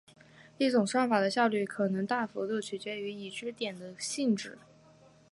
一种算法的效率可能大幅度取决于已知点的性质。